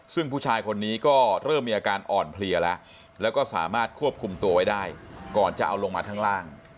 ซึ่งผู้ชายคนนี้ก็เริ่มมีอาการอ่อนเพลียแล้วแล้วก็สามารถควบคุมตัวไว้ได้ก่อนจะเอาลงมาข้างล่าง